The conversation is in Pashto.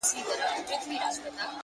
لاسونه ښکلوي’ ستا په لمن کي جانانه’